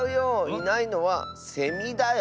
いないのはセミだよ。